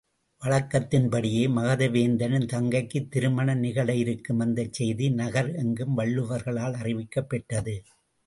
வழக்கத்தின்படியே மகதவேந்தனின் தங்கைக்குத் திருமணம் நிகழ இருக்கும் அந்தச் செய்தி, நகர் எங்கும் வள்ளுவர்களால் அறிவிக்கப் பெற்றது.